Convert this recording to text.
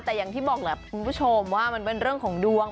แต่อย่างที่บอกแหละคุณผู้ชมว่ามันเป็นเรื่องของดวง